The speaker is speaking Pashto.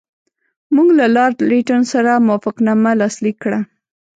موږ له لارډ لیټن سره موافقتنامه لاسلیک کړه.